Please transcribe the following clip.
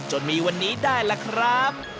จนมีวันนี้ได้ล่ะครับ